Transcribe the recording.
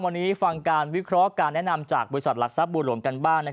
วันนี้ฟังการวิเคราะห์การแนะนำจากบริษัทหลักทรัพย์บัวหลวงกันบ้าง